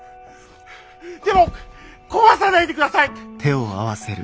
でも壊さないでください！